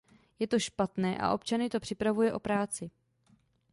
Je to špatné a občany to připravuje o práci.